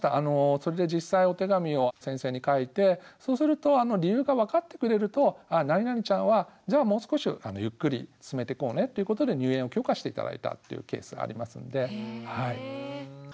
それで実際お手紙を先生に書いてそうすると理由が分かってくれるとあ何々ちゃんはじゃあもう少しゆっくり進めてこうねっていうことで入園を許可して頂いたっていうケースがありますので。